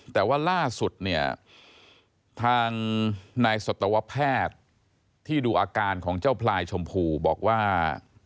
แต่ว่าล่าสุดเนี่ยทางนายสัตวแพทย์ที่ดูอาการของเจ้าพลายชมพูบอกว่า